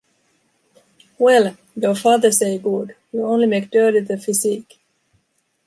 Well, your father say good, you only make dirty the physique.